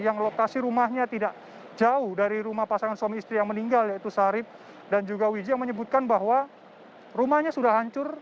yang lokasi rumahnya tidak jauh dari rumah pasangan suami istri yang meninggal yaitu sarip dan juga wiji yang menyebutkan bahwa rumahnya sudah hancur